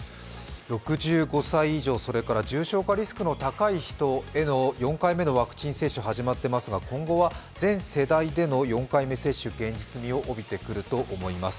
６５歳以上、それから重症化リスクの高い人への４回目のワクチン接種が始まっていますが今後は全世代での４回目接種現実味を帯びてくると思います。